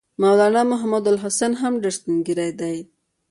مولنا محمودالحسن هم ډېر سپین ږیری دی.